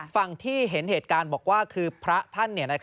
ฝั่งที่เห็นเหตุการณ์บอกว่าคือพระท่าน